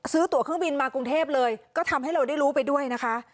ซื้อตัวเครื่องบินมากรุงเทพเลยก็ทำให้เราได้รู้ไปด้วยนะคะ